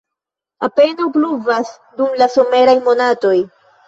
Apenaŭ pluvas dum la someraj monatoj.